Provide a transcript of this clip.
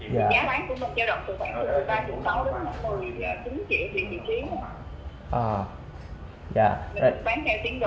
giá quán của một châu độc